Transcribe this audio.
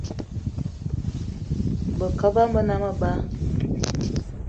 Be kaal bama be ne meba